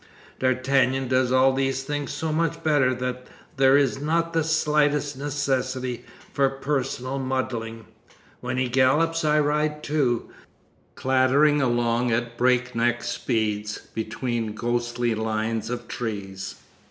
D'Artagnan does all these things so much better that there is not the slightest necessity for personal muddling. When he gallops I ride too, clattering along at breakneck speed between ghostly lines of trees.